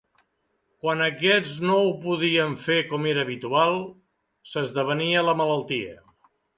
Quan aquests no ho podien fer com era habitual, s'esdevenia la malaltia.